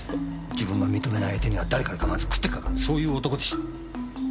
自分が認めない相手には誰彼構わず食ってかかるそういう男でした。